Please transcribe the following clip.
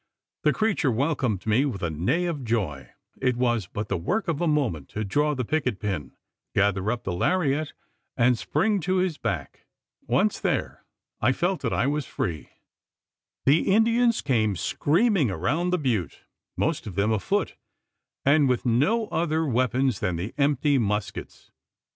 The creature welcomed me with a neigh of joy! It was but the work of a moment to draw the picket pin, gather up the laryette, and spring to his back. Once there, I felt that I was free! The Indians came screaming around the butte most of them afoot, and with no other weapons than the empty muskets.